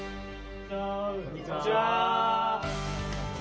こんにちは。